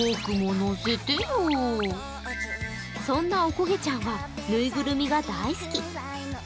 そんなおこげちゃんは縫いぐるみが大好き。